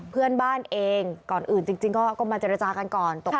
เพื่อนบ้านเองก่อนอื่นจริงก็มาเจรจากันก่อน